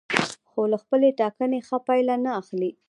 خو له خپلې ټاکنې ښه پایله نه اخلي.